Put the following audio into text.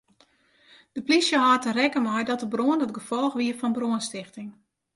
De plysje hâldt der rekken mei dat de brân it gefolch wie fan brânstichting.